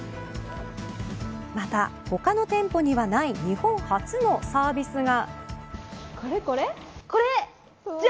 また、他の店舗にはない日本初のサービスが。